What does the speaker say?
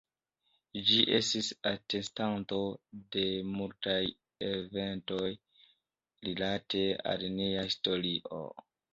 Ĝi estis atestanto de multaj eventoj, rilate al nia historio.